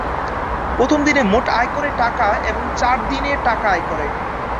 প্রথম দিনে মোট আয় করে টাকা এবং চার দিনে টাকা আয় করে।